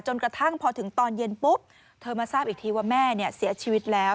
กระทั่งพอถึงตอนเย็นปุ๊บเธอมาทราบอีกทีว่าแม่เสียชีวิตแล้ว